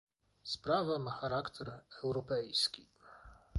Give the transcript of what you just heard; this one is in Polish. Sprawa ma charakter europejski